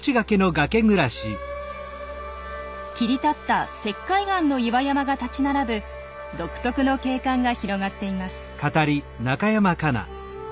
切り立った石灰岩の岩山が立ち並ぶ独特の景観が広がっています。